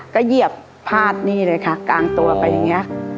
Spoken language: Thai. ก็เหยียบพาดนี่เลยค่ะกลางตัวไปอย่างนี้